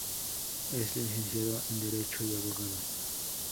Es licenciado en Derecho y abogado.